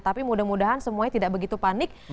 tapi mudah mudahan semuanya tidak begitu panik